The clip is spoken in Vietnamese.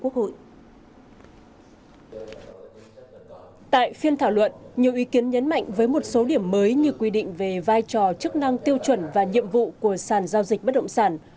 tại phiên thảo luận nhiều ý kiến nhấn mạnh với một số điểm mới như quy định về vai trò chức năng tiêu chuẩn và nhiệm vụ của sàn giao dịch bất động sản